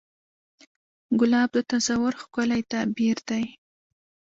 ګلاب د تصور ښکلی تعبیر دی.